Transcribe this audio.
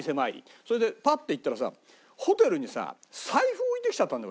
それでパッて行ったらさホテルにさ財布置いてきちゃったんだよ